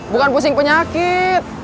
bukan pusing penyakit